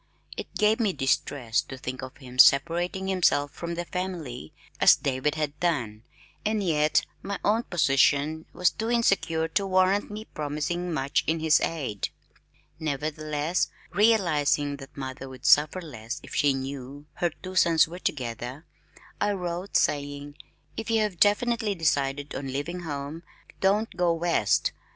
It gave me distress to think of him separating himself from the family as David had done, and yet my own position was too insecure to warrant me promising much in his aid. Nevertheless, realizing that mother would suffer less if she knew her two sons were together, I wrote, saying, "If you have definitely decided on leaving home, don't go west.